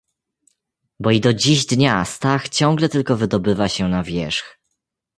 "bo i do dziś dnia Stach ciągle tylko wydobywa się na wierzch."